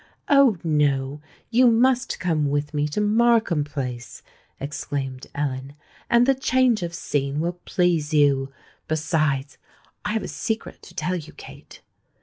"Oh! no—you must come with me to Markham Place," exclaimed Ellen; "and the change of scene will please you. Besides—I have a secret to tell you, Kate."